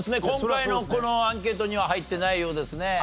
今回のこのアンケートには入ってないようですね。